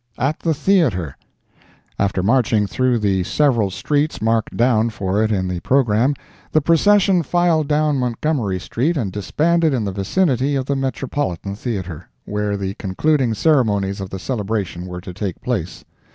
AT THE THEATRE.—After marching through the several streets marked down for it in the programme, the Procession filed down Montgomery street, and disbanded in the vicinity of the Metropolitan Theatre, where the concluding ceremonies of the celebration were to take place.